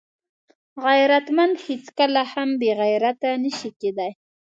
غیرتمند هیڅکله هم بېغیرته نه شي کېدای